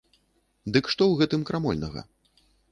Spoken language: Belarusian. Дык што ў гэтым крамольнага?